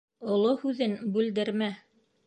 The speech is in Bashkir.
Оло һүҙен бүлдермә.